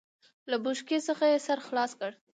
له بوشکې څخه يې سر خلاص کړ.